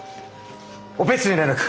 オペ室に連絡。